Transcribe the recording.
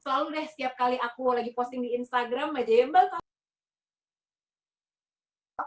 udah selalu deh setiap kali aku lagi posting di instagram aja ya mba tau